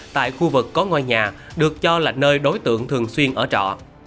tại khu vực có ngôi nhà được cho là nơi đối tượng thường xuyên ở trọ